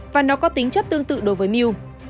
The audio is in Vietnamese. và nó có tính chất tương tự đối với meal